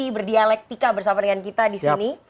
berdialektika bersama dengan kita disini